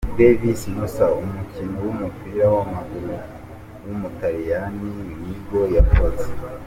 Devis Nossa, umukinnyi w’umupira w’amaguru w’umutaliyani ni bwo yavutse.